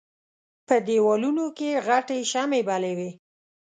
په دېوالونو کې غټې شمعې بلې وې.